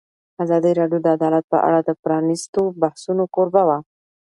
ازادي راډیو د عدالت په اړه د پرانیستو بحثونو کوربه وه.